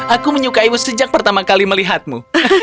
aku menyukaimu sejak pertama kali melihatmu